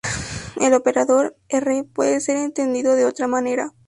El operador "R" puede ser entendido de otra manera.